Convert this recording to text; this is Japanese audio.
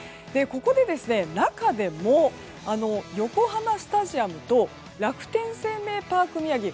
ここで中でも横浜スタジアムと楽天生命パーク宮城